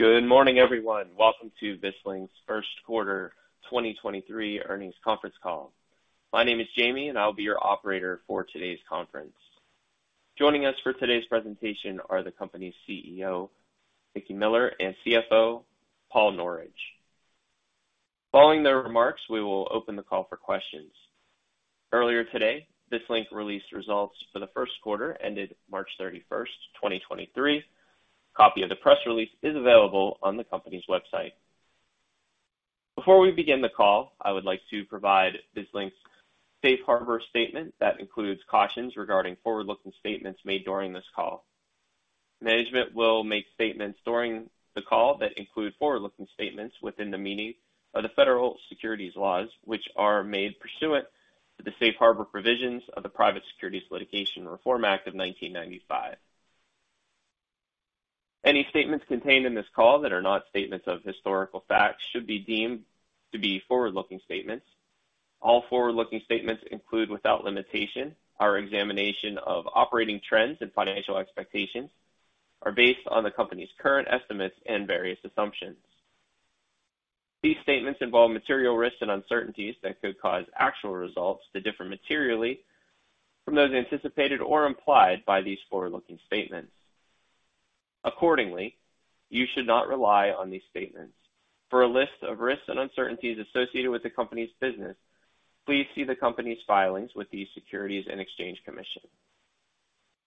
Good morning, everyone. Welcome to Vislink's first 1/4 2023 earnings conference call. My name is Jamie, and I'll be your operator for today's conference. Joining us for today's presentation are the company's CEO, Mickey Miller, and CFO, Paul Norridge. Following their remarks, we will open the call for questions. Earlier today, Vislink released results for the first 1/4 ended March 31st, 2023. Copy of the press release is available on the company's website. Before we begin the call, I would like to provide Vislink's safe harbor statement that includes cautions regarding forward-looking statements made during this call. Management will make statements during the call that include forward-looking statements within the meaning of the federal securities laws, which are made pursuant to the safe harbor provisions of the Private Securities Litigation Reform Act of 1995. Any statements contained in this call that are not statements of historical fact should be deemed to be forward-looking statements. All forward-looking statements include, without limitation, our examination of operating trends and financial expectations are based on the company's current estimates and various assumptions. These statements involve material risks and uncertainties that could cause actual results to differ materially from those anticipated or implied by these forward-looking statements. Accordingly, you should not rely on these statements. For a list of risks and uncertainties associated with the company's business, please see the company's filings with the Securities and Exchange Commission.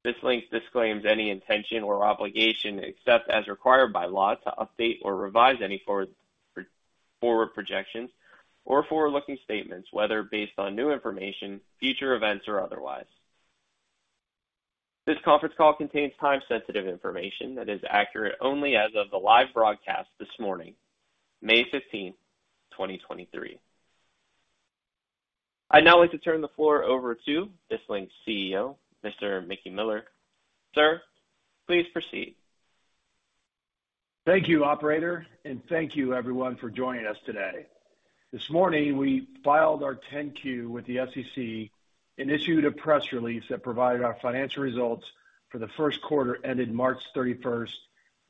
Vislink disclaims any intention or obligation, except as required by law, to update or revise any forward projections or forward-looking statements, whether based on new information, future events, or otherwise. This conference call contains time-sensitive information that is accurate only as of the live broadcast this morning, May fifteenth, 2023. I'd now like to turn the floor over to Vislink's CEO, Mr. Mickey Miller. Sir, please proceed. Thank you, operator, thank you everyone for joining us today. This morning, we filed our 10-Q with the SEC and issued a press release that provided our financial results for the first 1/4 ended March 31st,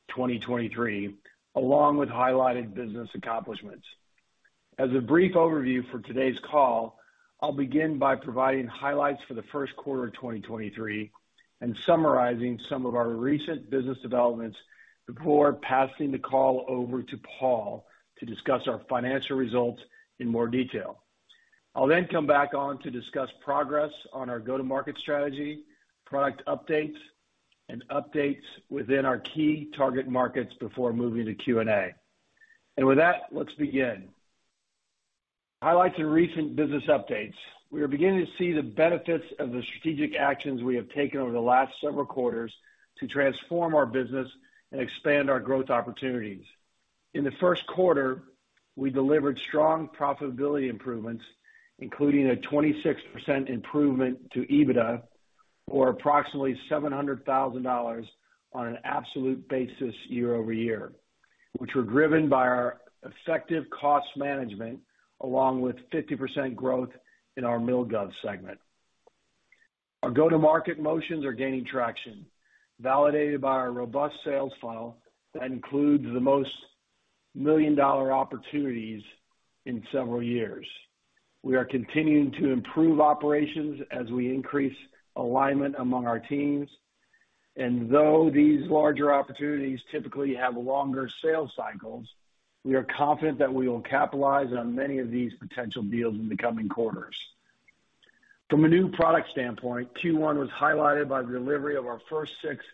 2023, along with highlighted business accomplishments. As a brief overview for today's call, I'll begin by providing highlights for the first 1/4 of 2023 and summarizing some of our recent business developments before passing the call over to Paul to discuss our financial results in more detail. I'll come back on to discuss progress on our go-to-market strategy, product updates, and updates within our key target markets before moving to Q&A. With that, let's begin. Highlights and recent business updates. We are beginning to see the benefits of the strategic actions we have taken over the last several 1/4s to transform our business and expand our growth opportunities. In the first 1/4, we delivered strong profitability improvements, including a 26% improvement to EBITDA, or approximately $700 thousand on an absolute basis year-over-year, which were driven by our effective cost management, along with 50% growth in our MilGov segment. Our go-to-market motions are gaining traction, validated by our robust sales funnel that includes the most million-dollar opportunities in several years. Though these larger opportunities typically have longer sales cycles, we are confident that we will capitalize on many of these potential deals in the coming 1/4s. From a new product standpoint, Q1 was highlighted by the delivery of our first 6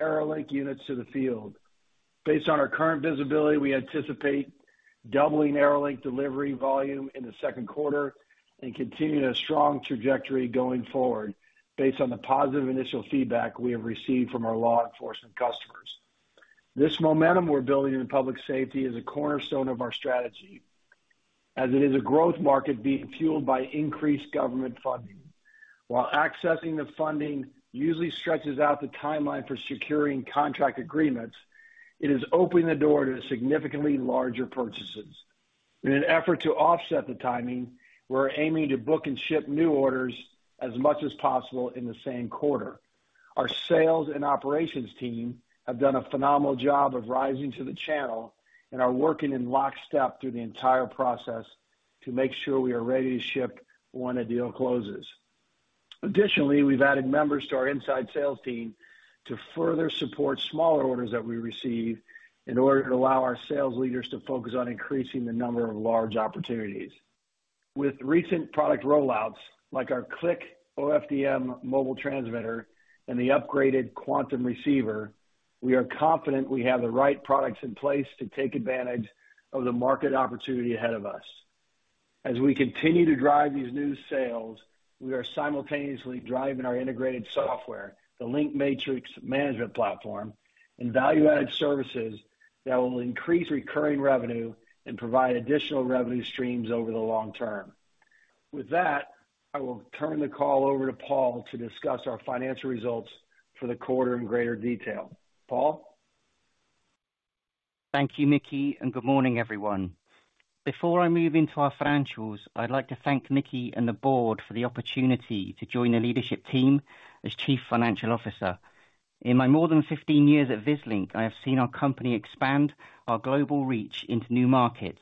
AeroLink units to the field. Based on our current visibility, we anticipate doubling AeroLink delivery volume in the second 1/4 and continuing a strong trajectory going forward based on the positive initial feedback we have received from our law enforcement customers. This momentum we're building in public safety is a cornerstone of our strategy, as it is a growth market being fueled by increased government funding. While accessing the funding usually stretches out the timeline for securing contract agreements, it is opening the door to significantly larger purchases. In an effort to offset the timing, we're aiming to book and ship new orders as much as possible in the same 1/4. Our sales and operations team have done a phenomenal job of rising to the channel and are working in lockstep through the entire process to make sure we are ready to ship when a deal closes. Additionally, we've added members to our inside sales team to further support smaller orders that we receive in order to allow our sales leaders to focus on increasing the number of large opportunities. With recent product rollouts, like our Cliq COFDM mobile transmitter and the upgraded Quantum receiver, we are confident we have the right products in place to take advantage of the market opportunity ahead of us. As we continue to drive these new sales, we are simultaneously driving our integrated software, the LinkMatrix management platform, and value-added services that will increase recurring revenue and provide additional revenue streams over the long term. With that, I will turn the call over to Paul to discuss our financial results for the 1/4 in greater detail. Paul? Thank you, Mickey, and good morning, everyone. Before I move into our financials, I'd like to thank Mickey and the board for the opportunity to join the leadership team as chief financial officer. In my more than 15 years at Vislink, I have seen our company expand our global reach into new markets,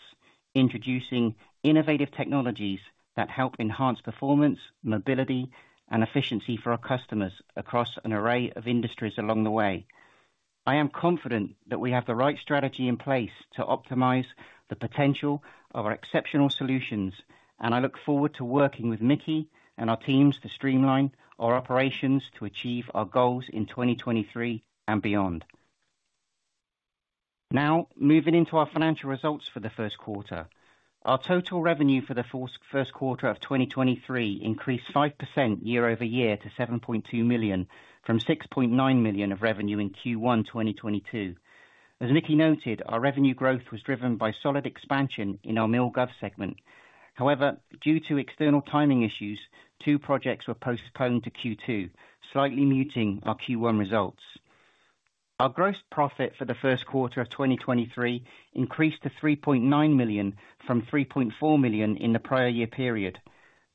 introducing innovative technologies that help enhance performance, mobility, and efficiency for our customers across an array of industries along the way. I am confident that we have the right strategy in place to optimize the potential of our exceptional solutions, and I look forward to working with Mickey and our teams to streamline our operations to achieve our goals in 2023 and beyond. Moving into our financial results for the first 1/4. Our total revenue for the first 1/4 of 2023 increased 5% year-over-year to $7.2 million from $6.9 million of revenue in Q1 2022. As Mickey noted, our revenue growth was driven by solid expansion in our MilGov segment. However, due to external timing issues, 2 projects were postponed to Q2, slightly muting our Q1 results. Our gross profit for the first 1/4 of 2023 increased to $3.9 million from $3.4 million in the prior year period.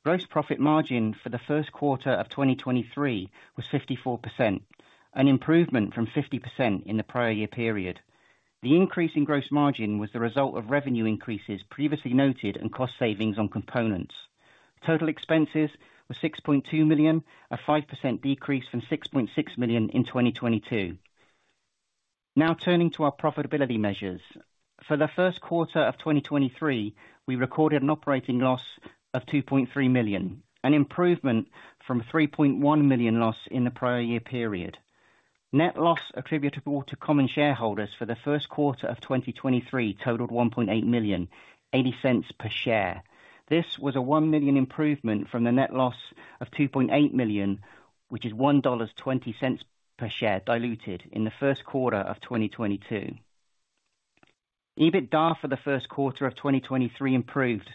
Gross profit margin for the first 1/4 of 2023 was 54%, an improvement from 50% in the prior year period. The increase in gross margin was the result of revenue increases previously noted and cost savings on components. Total expenses were $6.2 million, a 5% decrease from $6.6 million in 2022. Turning to our profitability measures. For the first 1/4 of 2023, we recorded an operating loss of $2.3 million, an improvement from $3.1 million loss in the prior year period. Net loss attributable to common shareholders for the first 1/4 of 2023 totaled $1.8 million, $0.80 per share. This was a $1 million improvement from the net loss of $2.8 million, which is $1.20 per share diluted in the first 1/4 of 2022. EBITDA for the first 1/4 of 2023 improved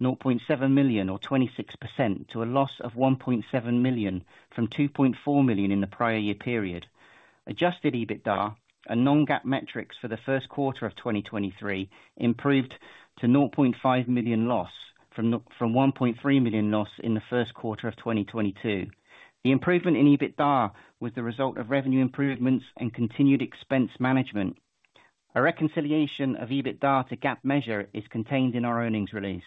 $0.7 million or 26% to a loss of $1.7 million from $2.4 million in the prior year period. Adjusted EBITDA and non-GAAP metrics for the first 1/4 of 2023 improved to $0.5 million loss from $1.3 million loss in the first 1/4 of 2022. The improvement in EBITDA was the result of revenue improvements and continued expense management. A reconciliation of EBITDA to GAAP measure is contained in our earnings release.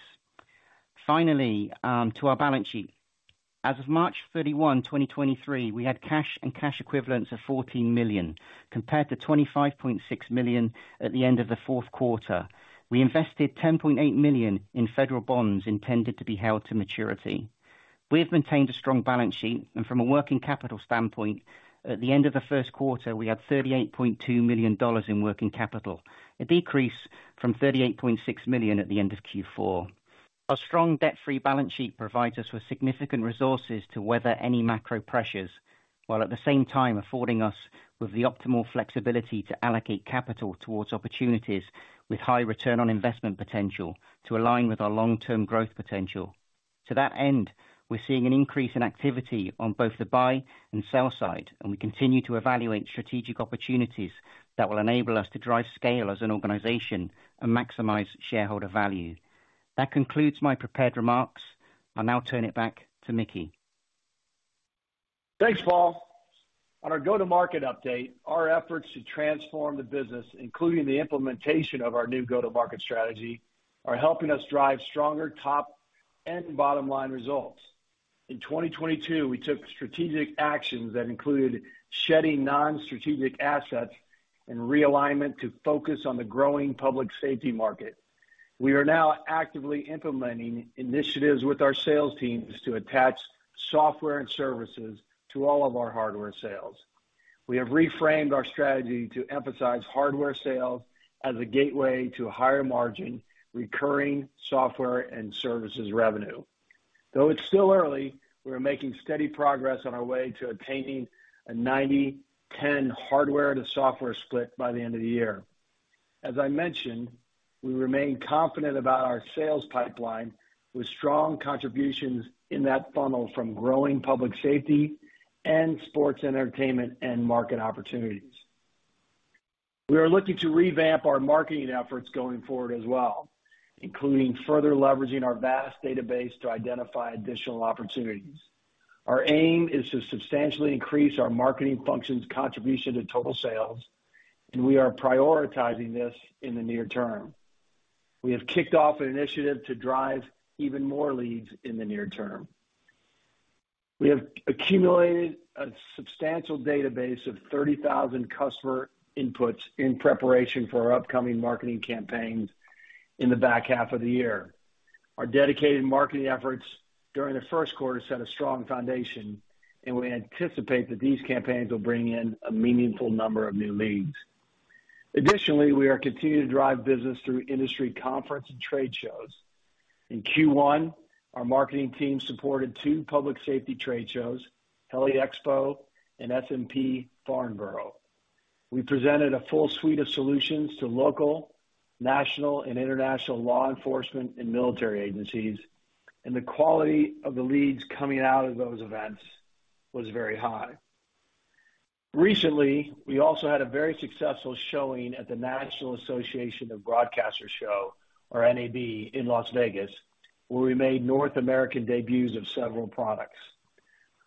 Finally, to our balance sheet. As of March 31, 2023, we had cash and cash equivalents of $14 million, compared to $25.6 million at the end of the 4th 1/4. We invested $10.8 million in federal bonds intended to be held to maturity. We have maintained a strong balance sheet, and from a working capital standpoint, at the end of the first 1/4, we had $38.2 million in working capital, a decrease from $38.6 million at the end of Q4. Our strong debt-free balance sheet provides us with significant resources to weather any macro pressures, while at the same time affording us with the optimal flexibility to allocate capital towards opportunities with high return on investment potential to align with our long-term growth potential. To that end, we're seeing an increase in activity on both the buy and sell side, and we continue to evaluate strategic opportunities that will enable us to drive scale as an organization and maximize shareholder value. That concludes my prepared remarks. I'll now turn it back to Mickey. Thanks, Paul. On our go-to-market update, our efforts to transform the business, including the implementation of our new go-to-market strategy, are helping us drive stronger top and bottom-line results. In 2022, we took strategic actions that included shedding non-strategic assets and realignment to focus on the growing public safety market. We are now actively implementing initiatives with our sales teams to attach software and services to all of our hardware sales. We have reframed our strategy to emphasize hardware sales as a gateway to a higher margin, recurring software and services revenue. Though it's still early, we're making steady progress on our way to attaining a 90/10 hardware to software split by the end of the year. As I mentioned, we remain confident about our sales pipeline with strong contributions in that funnel from growing public safety and sports entertainment and market opportunities. We are looking to revamp our marketing efforts going forward as well, including further leveraging our vast database to identify additional opportunities. Our aim is to substantially increase our marketing function's contribution to total sales, and we are prioritizing this in the near term. We have kicked off an initiative to drive even more leads in the near term. We have accumulated a substantial database of 30,000 customer inputs in preparation for our upcoming marketing campaigns in the back 1/2 of the year. Our dedicated marketing efforts during the first 1/4 set a strong foundation, and we anticipate that these campaigns will bring in a meaningful number of new leads. Additionally, we are continuing to drive business through industry conference and trade shows. In Q1, our marketing team supported 2 public safety trade shows, Heli-Expo and uncertain. We presented a full suite of solutions to local, national, and international law enforcement and military agencies, and the quality of the leads coming out of those events was very high. Recently, we also had a very successful showing at the National Association of Broadcasters show, or NAB, in Las Vegas, where we made North American debuts of several products.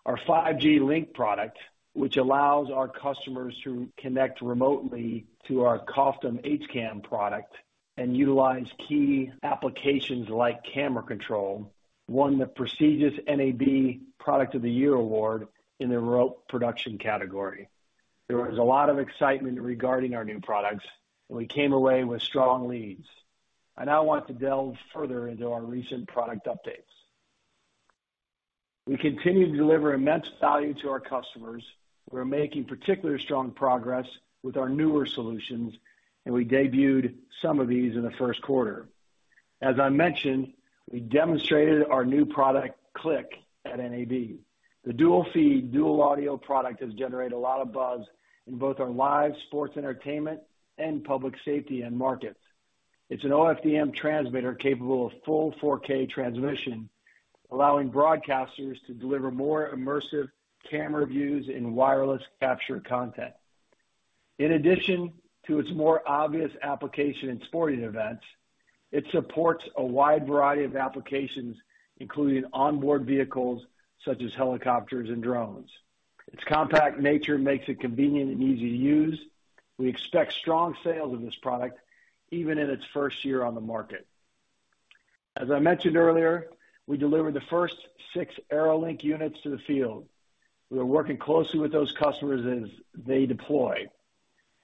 Our 5G-Link product, which allows our customers to connect remotely to our COFDM HCAM product and utilize key applications like camera control, won the prestigious NAB Show Product of the Year award in the remote production category. There was a lot of excitement regarding our new products, and we came away with strong leads. I now want to delve further into our recent product updates. We continue to deliver immense value to our customers. We're making particularly strong progress with our newer solutions, and we debuted some of these in the first 1/4. As I mentioned, we demonstrated our new product, Cliq, at NAB. The dual feed, dual audio product has generated a lot of buzz in both our live sports entertainment and public safety end markets. It's an OFDM transmitter capable of full 4K transmission, allowing broadcasters to deliver more immersive camera views in wireless captured content. In addition to its more obvious application in sporting events, it supports a wide variety of applications, including onboard vehicles such as helicopters and drones. Its compact nature makes it convenient and easy to use. We expect strong sales of this product even in its first year on the market. As I mentioned earlier, we delivered the first 6 AeroLink units to the field. We are working closely with those customers as they deploy.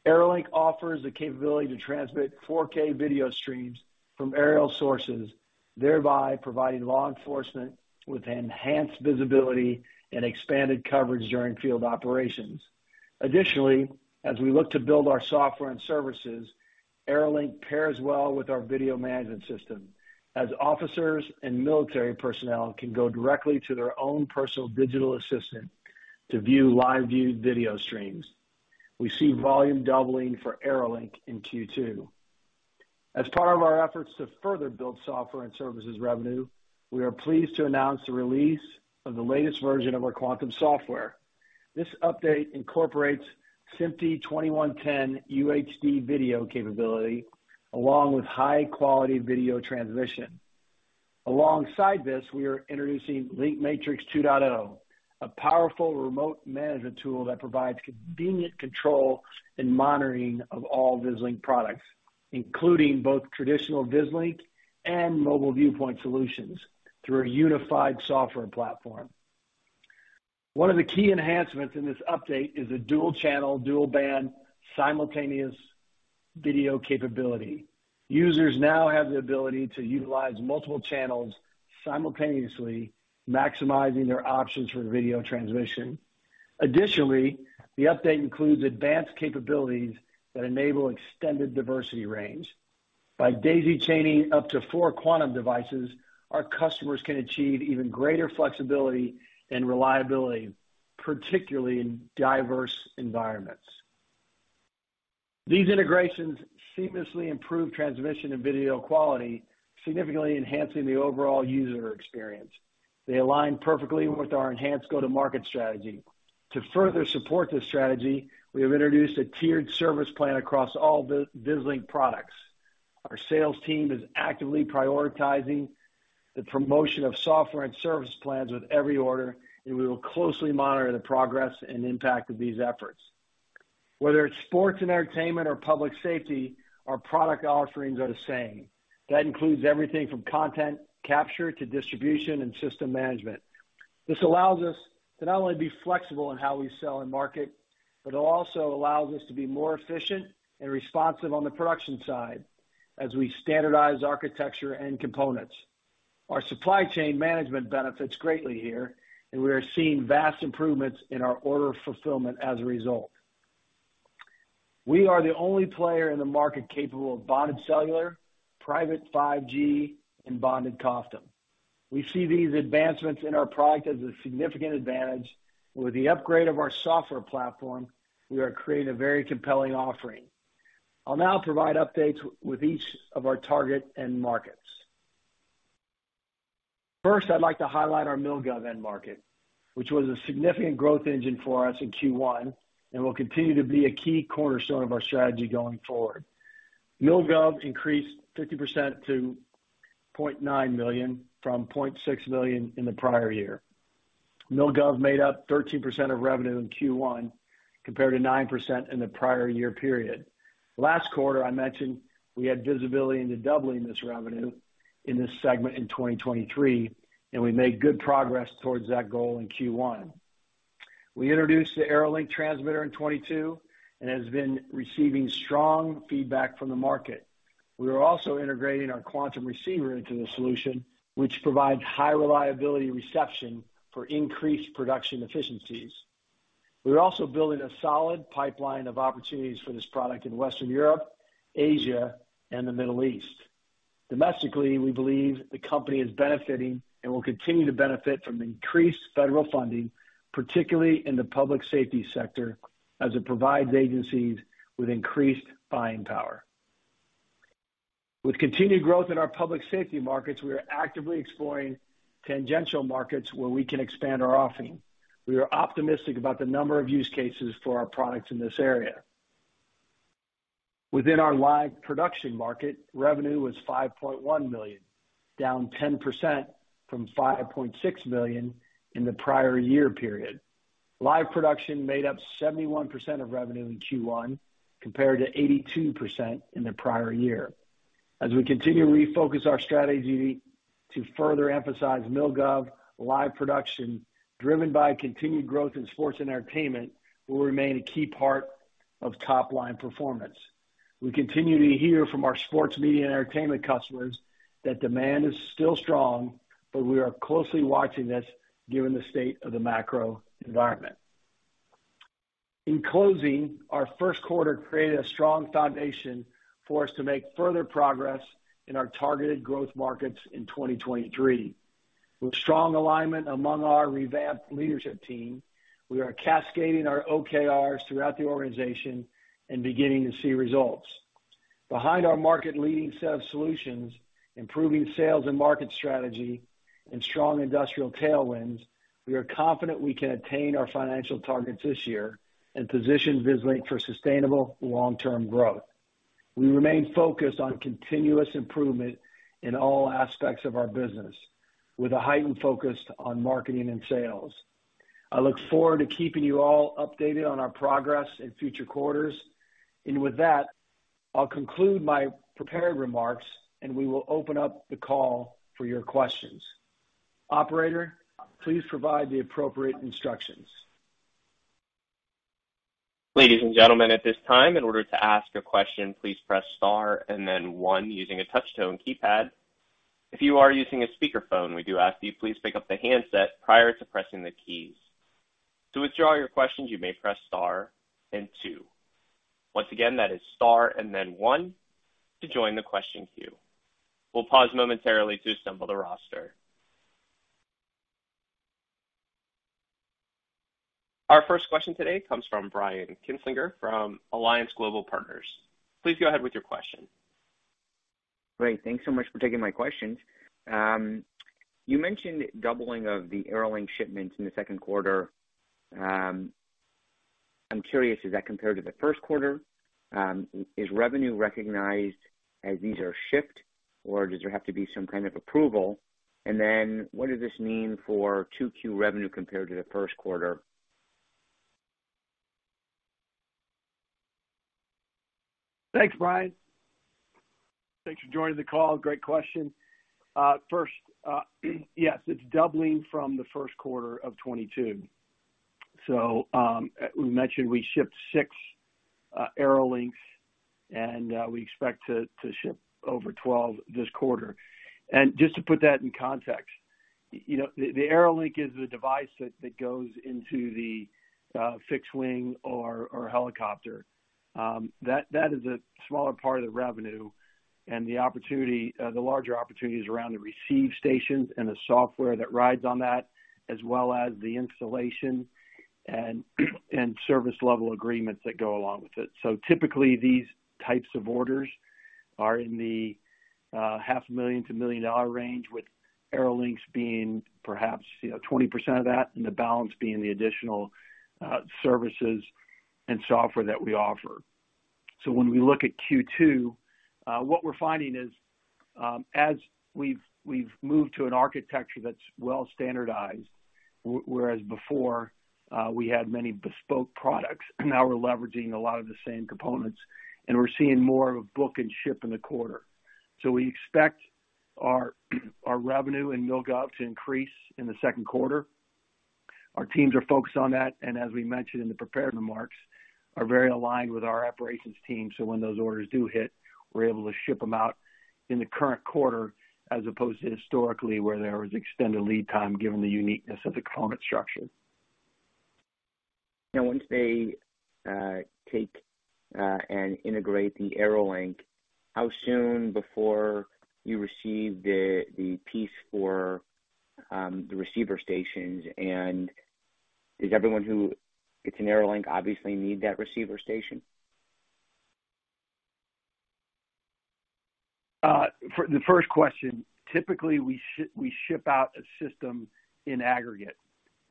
AeroLink offers the capability to transmit 4K video streams from aerial sources, thereby providing law enforcement with enhanced visibility and expanded coverage during field operations. Additionally, as we look to build our software and services, AeroLink pairs well with our video management system, as officers and military personnel can go directly to their own personal digital assistant to view live view video streams. We see volume doubling for AeroLink in Q2. As part of our efforts to further build software and services revenue, we are pleased to announce the release of the latest version of our Quantum software. This update incorporates SMPTE 2110 UHD video capability along with high-quality video transmission. Alongside this, we are introducing LinkMatrix 2.0, a powerful remote management tool that provides convenient control and monitoring of all Vislink products, including both traditional Vislink and Mobile Viewpoint solutions through a unified software platform. 1 of the key enhancements in this update is a dual channel, dual band, simultaneous video capability. Users now have the ability to utilize multiple channels simultaneously, maximizing their options for video transmission. Additionally, the update includes advanced capabilities that enable extended diversity range. By daisy chaining up to 4 Quantum devices, our customers can achieve even greater flexibility and reliability, particularly in diverse environments. These integrations seamlessly improve transmission and video quality, significantly enhancing the overall user experience. They align perfectly with our enhanced go-to-market strategy. To further support this strategy, we have introduced a tiered service plan across all Vislink products. Our sales team is actively prioritizing the promotion of software and service plans with every order, and we will closely monitor the progress and impact of these efforts. Whether it's sports and entertainment or public safety, our product offerings are the same. That includes everything from content capture to distribution and system management. This allows us to not only be flexible in how we sell and market, but it also allows us to be more efficient and responsive on the production side as we standardize architecture and components. Our supply chain management benefits greatly here, and we are seeing vast improvements in our order fulfillment as a result. We are the only player in the market capable of bonded cellular, private 5G, and bonded COFDM. We see these advancements in our product as a significant advantage, with the upgrade of our software platform, we are creating a very compelling offering. I'll now provide updates with each of our target end markets. First, I'd like to highlight our MilGov end market, which was a significant growth engine for us in Q1 and will continue to be a key cornerstone of our strategy going forward. MilGov increased 50% to $0.9 million from $0.6 million in the prior year. MilGov made up 13% of revenue in Q1 compared to 9% in the prior year period. Last 1/4, I mentioned we had visibility into doubling this revenue in this segment in 2023, we made good progress towards that goal in Q1. We introduced the AeroLink transmitter in 2022 has been receiving strong feedback from the market. We are also integrating our Quantum receiver into the solution, which provides high reliability reception for increased production efficiencies. We are also building a solid pipeline of opportunities for this product in Western Europe, Asia, and the Middle East. Domestically, we believe the company is benefiting and will continue to benefit from increased federal funding, particularly in the public safety sector as it provides agencies with increased buying power. With continued growth in our public safety markets, we are actively exploring tangential markets where we can expand our offering. We are optimistic about the number of use cases for our products in this area. Within our live production market, revenue was $5.1 million, down 10% from $5.6 million in the prior year period. Live production made up 71% of revenue in Q1, compared to 82% in the prior year. As we continue to refocus our strategy to further emphasize MilGov, live production driven by continued growth in sports and entertainment will remain a key part of top line performance. We continue to hear from our sports media and entertainment customers that demand is still strong, but we are closely watching this given the state of the macro environment. In closing, our first 1/4 created a strong foundation for us to make further progress in our targeted growth markets in 2023. With strong alignment among our revamped leadership team, we are cascading our OKRs throughout the organization and beginning to see results. Behind our market-leading set of solutions, improving sales and market strategy and strong industrial tailwinds, we are confident we can attain our financial targets this year and position Vislink for sustainable long-term growth. We remain focused on continuous improvement in all aspects of our business, with a heightened focus on marketing and sales. I look forward to keeping you all updated on our progress in future 1/4s. With that, I'll conclude my prepared remarks, and we will open up the call for your questions. Operator, please provide the appropriate instructions. Ladies and gentlemen, at this time, in order to ask a question, please press Star and then 1 using a touch-tone keypad. If you are using a speakerphone, we do ask that you please pick up the handset prior to pressing the keys. To withdraw your questions, you may press Star and Two. Once again, that is Star and then 1 to join the question queue. We'll pause momentarily to assemble the roster. Our first question today comes from Brian Kinstlinger from Alliance Global Partners. Please go ahead with your question. Great. Thanks so much for taking my questions. You mentioned doubling of the AeroLink shipments in the second 1/4. I'm curious, is that compared to the first 1/4? Is revenue recognized as these are shipped, or does there have to be some kind of approval? What does this mean for 2Q revenue compared to the first 1/4? Thanks, Brian. Thanks for joining the call. Great question. First, yes, it's doubling from the first 1/4 of 2022. We mentioned we shipped 6 AeroLinks, and we expect to ship over 12 this 1/4. Just to put that in context, you know, the AeroLink is the device that goes into the fixed wing or helicopter. That is a smaller part of the revenue and the opportunity. The larger opportunity is around the receive stations and the software that rides on that, as well as the installation and service level agreements that go along with it. Typically, these types of orders are in the 1/2 a million to $1 million range, with AeroLinks being perhaps, you know, 20% of that and the balance being the additional services and software that we offer. When we look at Q2, what we're finding is, as we've moved to an architecture that's well standardized, whereas before, we had many bespoke products, now we're leveraging a lot of the same components, and we're seeing more of a book and ship in the 1/4. We expect our revenue and MilGov to increase in the second 1/4. Our teams are focused on that, and as we mentioned in the prepared remarks, are very aligned with our operations team. When those orders do hit, we're able to ship them out in the current 1/4 as opposed to historically, where there was extended lead time given the uniqueness of the component structure. Once they take and integrate the AeroLink, how soon before you receive the piece for the receiver stations, and does everyone who gets an AeroLink obviously need that receiver station? For the first question, typically we ship out a system in aggregate,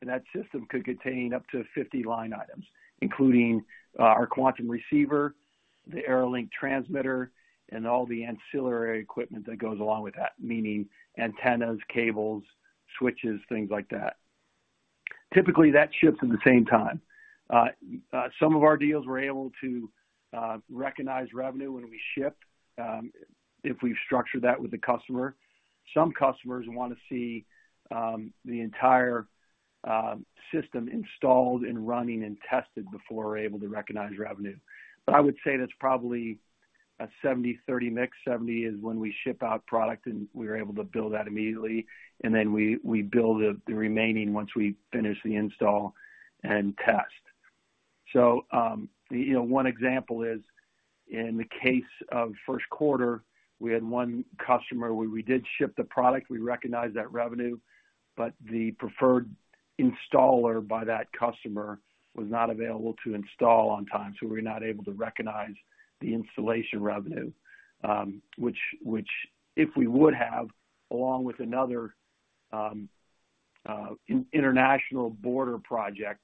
and that system could contain up to 50 line items, including our Quantum receiver, the AeroLink transmitter, and all the ancillary equipment that goes along with that, meaning antennas, cables, switches, things like that. Typically, that ships at the same time. Some of our deals we're able to recognize revenue when we ship, if we've structured that with the customer. Some customers wanna see the entire system installed and running and tested before we're able to recognize revenue. I would say that's probably a 70/30 mix. 70 is when we ship out product, we're able to bill that immediately. We bill the remaining once we finish the install and test. You know, 1 example is, in the case of first 1/4, we had customer where we did ship the product. We recognized that revenue. The preferred installer by that customer was not available to install on time, so we were not able to recognize the installation revenue. Which if we would have, along with another international border project,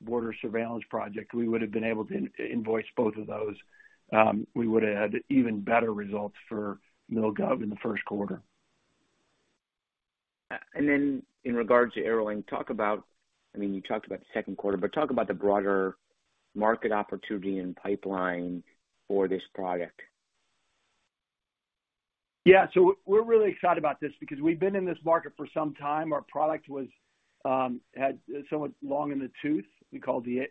border surveillance project, we would have been able to invoice both of those. We would've had even better results for MilGov in the first 1/4. In regards to AeroLink, talk about, I mean, you talked about the second 1/4, but talk about the broader market opportunity and pipeline for this product. We're really excited about this because we've been in this market for some time. Our product was had somewhat long in the tooth, we call the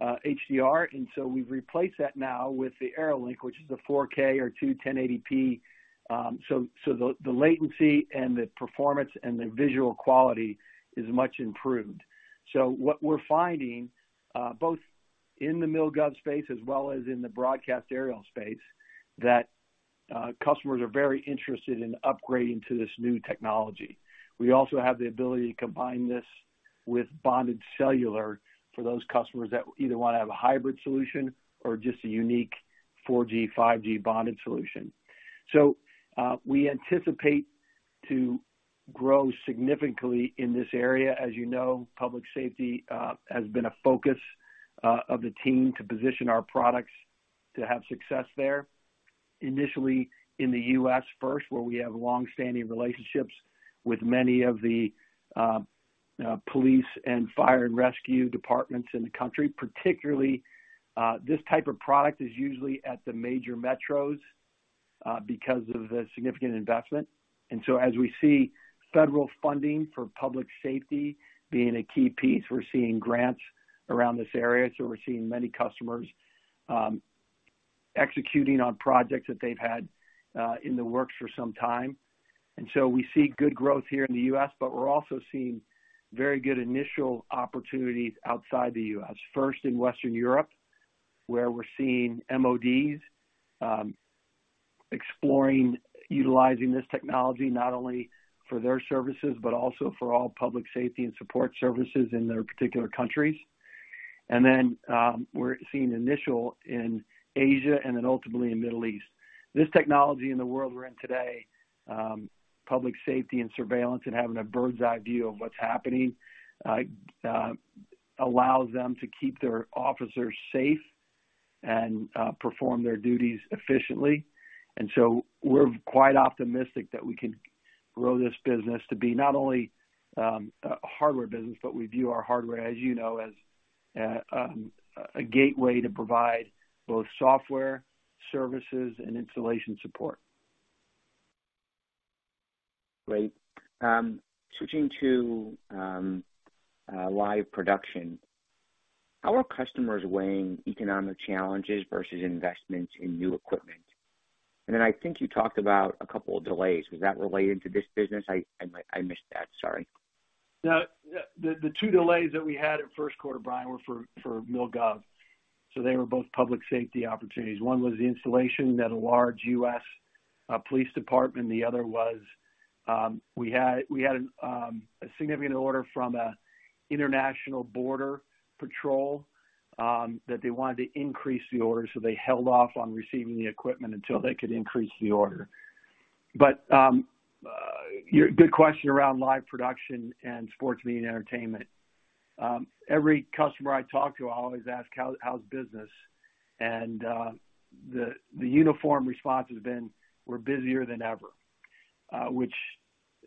HDR. We've replaced that now with the AeroLink, which is a 4K or 2 1080p. The latency and the performance and the visual quality is much improved. What we're finding, both in the MilGov space as well as in the broadcast aerial space, that customers are very interested in upgrading to this new technology. We also have the ability to combine this with bonded cellular for those customers that either wanna have a hybrid solution or just a unique 4G, 5G bonded solution. We anticipate to grow significantly in this area. As you know, public safety has been a focus of the team to position our products to have success there. Initially in the U.S. first, where we have long-standing relationships with many of the police and fire and rescue departments in the country. Particularly, this type of product is usually at the major metros because of the significant investment. As we see federal funding for public safety being a key piece, we're seeing grants around this area, so we're seeing many customers executing on projects that they've had in the works for some time. We see good growth here in the U.S., but we're also seeing very good initial opportunities outside the U.S., first in Western Europe, where we're seeing MODs exploring utilizing this technology not only for their services but also for all public safety and support services in their particular countries. We're seeing initial in Asia and then ultimately in Middle East. This technology in the world we're in today, public safety and surveillance and having a bird's eye view of what's happening, allows them to keep their officers safe and perform their duties efficiently. We're quite optimistic that we can grow this business to be not only, a hardware business, but we view our hardware, as you know, as a gateway to provide both software, services, and installation support. Great. Switching to live production, how are customers weighing economic challenges versus investments in new equipment? I think you talked about a couple of delays. Was that related to this business? I missed that, sorry. No. The 2 delays that we had at first 1/4, Brian, were for MilGov, so they were both public safety opportunities. 1 was the installation at a large U.S. police department. The other was, a significant order from a international border patrol, that they wanted to increase the order, so they held off on receiving the equipment until they could increase the order. Good question around live production and sports media and entertainment. Every customer I talk to, I always ask, "How's business?" The uniform response has been, "We're busier than ever." Which,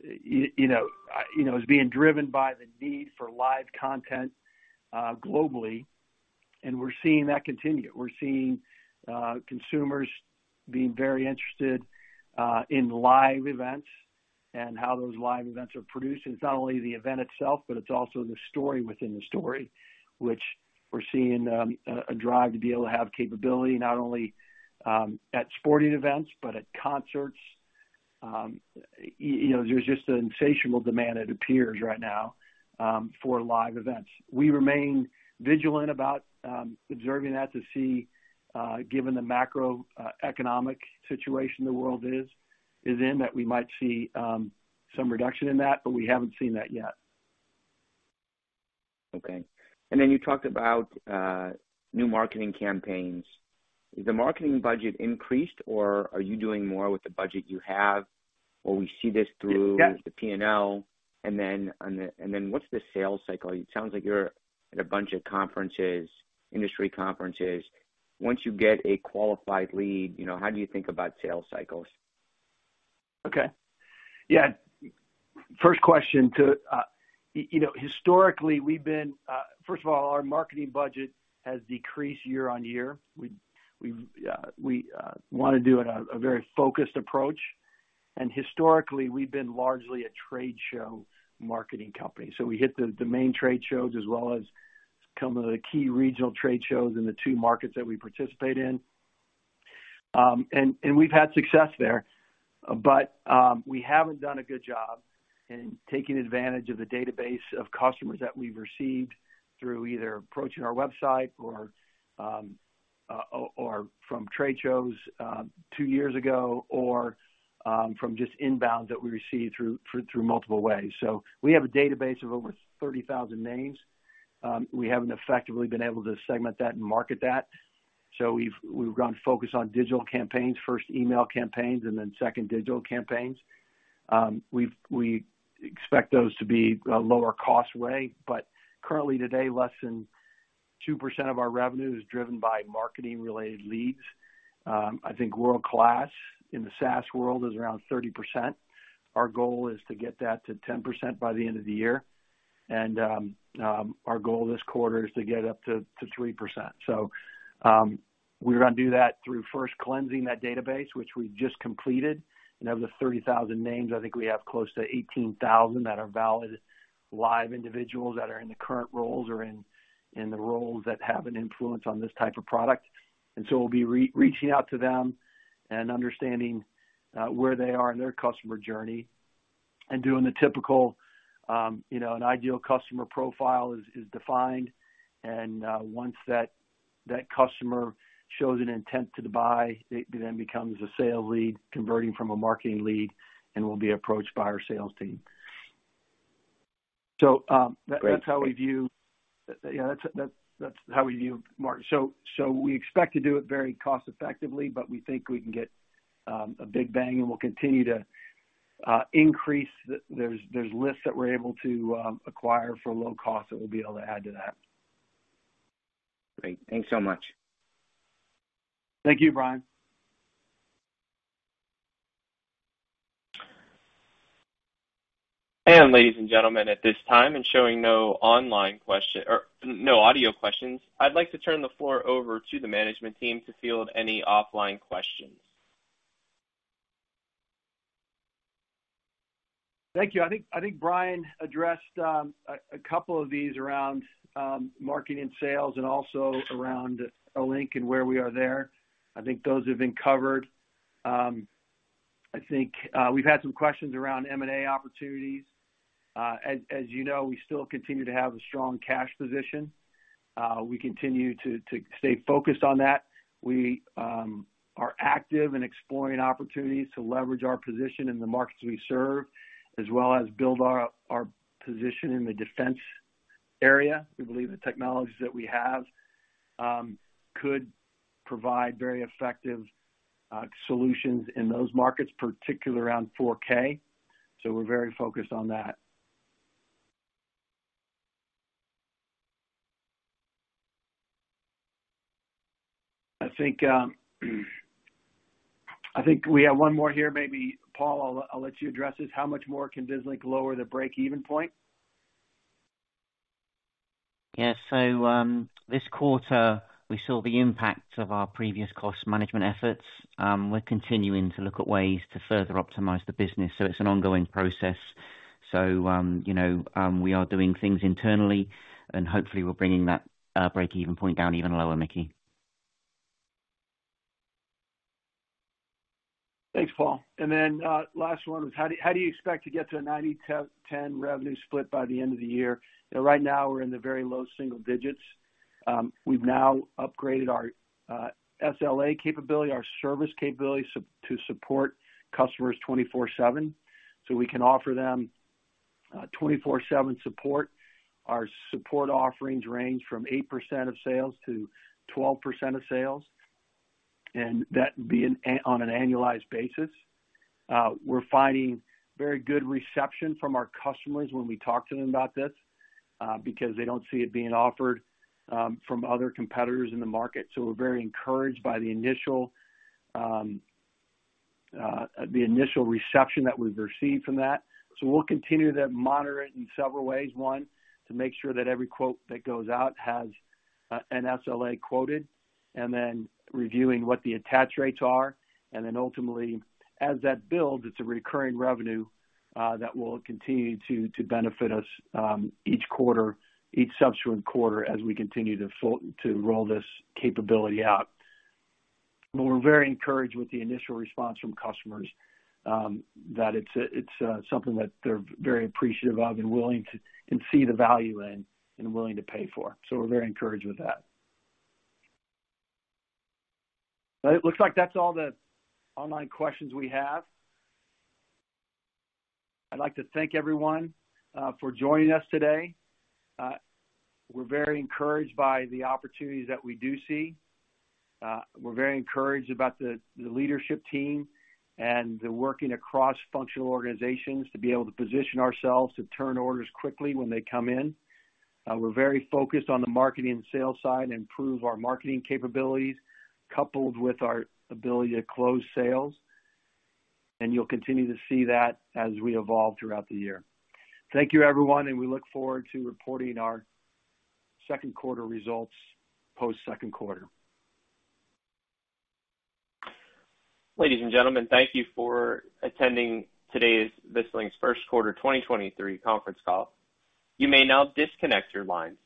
you know, is being driven by the need for live content, globally, and we're seeing that continue. We're seeing consumers being very interested in live events and how those live events are produced. It's not only the event itself, but it's also the story within the story, which we're seeing a drive to be able to have capability not only at sporting events, but at concerts. You know, there's just an insatiable demand it appears right now for live events. We remain vigilant about observing that to see given the macroeconomic situation the world is in, that we might see some reduction in that, but we haven't seen that yet. Okay. Then you talked about, new marketing campaigns. Is the marketing budget increased or are you doing more with the budget you have? Yes... the P&L? What's the sales cycle? It sounds like you're at a bunch of conferences, industry conferences. Once you get a qualified lead, you know, how do you think about sales cycles? Okay. Yeah. First question to you know, historically, we've been. First of all, our marketing budget has decreased year-over-year. We've, we wanna do it on a very focused approach. Historically, we've been largely a trade show marketing company. We hit the main trade shows as well as some of the key regional trade shows in the 2 markets that we participate in. We've had success there. We haven't done a good job in taking advantage of the database of customers that we've received through either approaching our website or from trade shows 2 years ago or from just inbounds that we received through multiple ways. We have a database of over 30,000 names. We haven't effectively been able to segment that and market that. We've gone focus on digital campaigns, first email campaigns, and then second digital campaigns. We expect those to be a lower cost way, but currently today, less than 2% of our revenue is driven by marketing-related leads. I think world-class in the SaaS world is around 30%. Our goal is to get that to 10% by the end of the year. Our goal this 1/4 is to get up to 3%. We're gonna do that through first cleansing that database, which we just completed. Of the 30,000 names, I think we have close to 18,000 that are valid, live individuals that are in the current roles or in the roles that have an influence on this type of product. We'll be re-reaching out to them and understanding where they are in their customer journey and doing the typical, you know, an ideal customer profile is defined. Once that customer shows an intent to buy, it then becomes a sales lead converting from a marketing lead and will be approached by our sales team. That's how we view market. We expect to do it very cost-effectively, but we think we can get a big bang, and we'll continue to increase the. There's lists that we're able to acquire for low cost that we'll be able to add to that. Great. Thanks so much. Thank you, Brian. Ladies and gentlemen, at this time, and showing no online or no audio questions, I'd like to turn the floor over to the management team to field any offline questions. Thank you. I think Brian addressed a couple of these around marketing and sales and also around AeroLink and where we are there. I think those have been covered. I think we've had some questions around M&A opportunities. As you know, we still continue to have a strong cash position. We continue to stay focused on that. We are active in exploring opportunities to leverage our position in the markets we serve, as well as build our position in the defense area. We believe the technologies that we have could provide very effective solutions in those markets, particularly around 4K. We're very focused on that. I think we have 1 more here. Maybe, Paul, I'll let you address this. How much more can Vislink lower the break-even point? Yes. This 1/4, we saw the impact of our previous cost management efforts. We're continuing to look at ways to further optimize the business, so it's an ongoing process. you know, we are doing things internally, and hopefully we're bringing that break-even point down even lower, Mickey. Thanks, Paul. Last 1 was how do you expect to get to a 90-10 revenue split by the end of the year? Right now, we're in the very low single digits. We've now upgraded our SLA capability, our service capability to support customers 24/7, so we can offer them 24/7 support. Our support offerings range from 8% of sales to 12% of sales, and that being on an annualized basis. We're finding very good reception from our customers when we talk to them about this, because they don't see it being offered from other competitors in the market. We're very encouraged by the initial reception that we've received from that. We'll continue to monitor it in several ways. 1, to make sure that every quote that goes out has an SLA quoted, and then reviewing what the attach rates are. Ultimately, as that builds, it's a recurring revenue that will continue to benefit us each 1/4, each subsequent 1/4 as we continue to roll this capability out. We're very encouraged with the initial response from customers that it's something that they're very appreciative of and willing to can see the value in and willing to pay for. We're very encouraged with that. It looks like that's all the online questions we have. I'd like to thank everyone for joining us today. We're very encouraged by the opportunities that we do see. We're very encouraged about the leadership team and the working across functional organizations to be able to position ourselves to turn orders quickly when they come in. We're very focused on the marketing and sales side, improve our marketing capabilities coupled with our ability to close sales. You'll continue to see that as we evolve throughout the year. Thank you, everyone, and we look forward to reporting our second 1/4 results post-second 1/4. Ladies and gentlemen, thank you for attending today's Vislink's first 1/4 2023 conference call. You may now disconnect your lines.